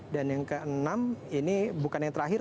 dan yang ke enam ini bukan yang terakhir